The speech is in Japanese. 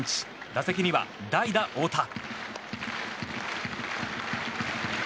打席には代打・大田。